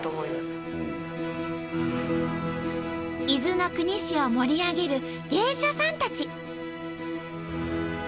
伊豆の国市を盛り上げる芸者さんたち。